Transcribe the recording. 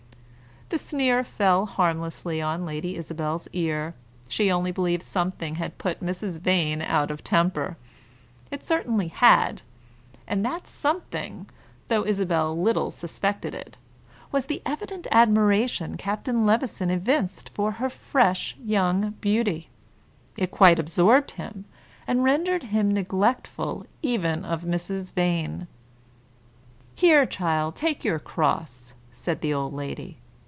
The sneer fell harmlessly on Lady Isabel's ear. She only believed something had put Mrs. Vane out of temper. It certainly had; and that something, though Isabel little suspected it, was the evident admiration Captain Levison evinced for her fresh, young beauty; it quite absorbed him, and rendered him neglectful even of Mrs. Vane. "Here, child, take your cross," said the old lady.